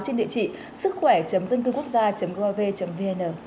trên địa chỉ sứckhỏe dân cư quốc gia gov vn